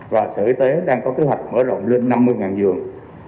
và sở y tế đang có kế hoạch mở rộng lên năm mươi giường